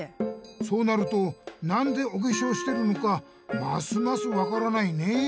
そうなるとなんでおけしょうしてるのかますますわからないねえ。